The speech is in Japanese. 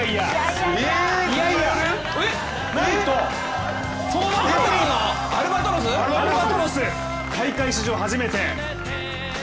なんと、アルバトロス、大会史上初めて。